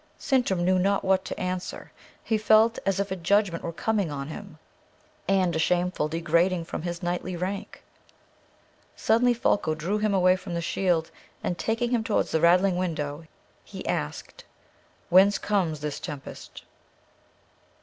Sintram knew not what to answer. He felt as if a judgment were coming on him, and a shameful degrading from his knightly rank. Suddenly Folko drew him away from the shield, and taking him towards the rattling window, he asked: "Whence comes this tempest?"